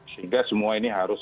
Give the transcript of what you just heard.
sehingga semua ini harus